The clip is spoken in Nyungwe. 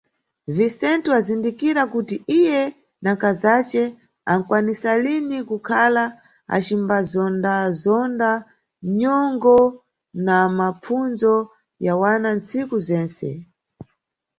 Vicente wazindikira kuti iye na nkazace ankwanisalini kukhala acimbazondazonda nyongo na mapfundzo ya wana ntsiku zentse.